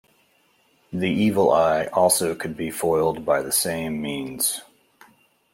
The "evil eye" also could be foiled by the same means.